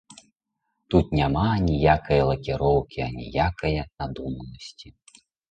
Тут няма аніякае лакіроўкі, аніякае надуманасці.